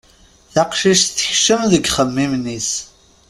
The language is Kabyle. Taqcict tekcem deg yixemmimen-is.